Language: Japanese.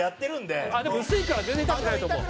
でも薄いから全然痛くないと思う。